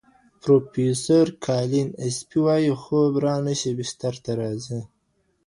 پروفیسور کالین اسپي وايي، خوب را نه شي، بستر ته راځي.